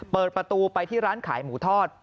เปิดประตูไปที่ร้านขายหมูทอด